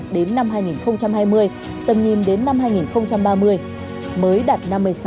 đến năm hai nghìn hai mươi tầm nhìn đến năm hai nghìn ba mươi mới đạt năm mươi sáu